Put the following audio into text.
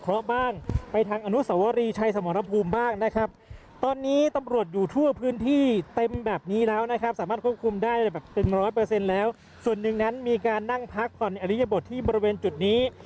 อันนี้จะบดที่บริเวณจุดนี้